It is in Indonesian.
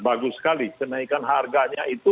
bagus sekali kenaikan harganya itu